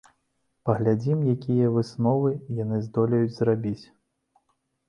Паглядзім, якія высновы яны здолеюць зрабіць.